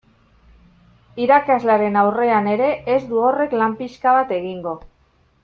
Irakaslearen aurrean ere ez du horrek lan pixka bat egingo.